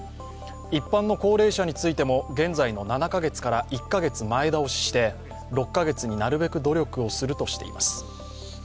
一般の高齢者についても現在の７カ月から１カ月前倒しして、６カ月になるべく努力をするとしています。